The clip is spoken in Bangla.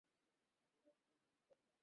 আল্লাহই অধিকতর জ্ঞাত।